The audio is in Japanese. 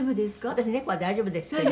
「私猫は大丈夫ですけど」